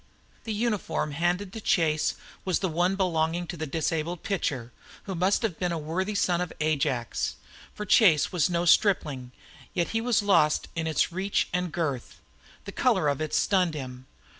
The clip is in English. The uniform handed to Chase was the one belonging to the disabled pitcher, who must have been a worthy son of Ajax. For Chase was no stripling, yet he was lost in its reach and girth. The color of it stunned him.